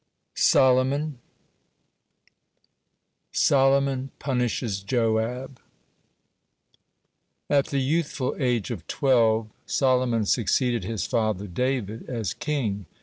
SOLOMON SOLOMON PUNISHES JOAB At the youthful age of twelve (1) Solomon succeeded his father David as king.